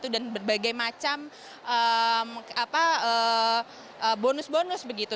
dan berbagai macam bonus bonus begitu